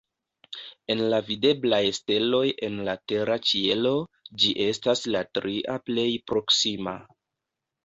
El la videblaj steloj en la tera ĉielo, ĝi estas la tria plej proksima.